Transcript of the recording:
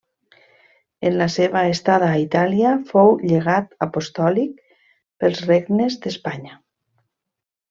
En la seva estada a Itàlia, fou llegat apostòlic pels regnes d'Espanya.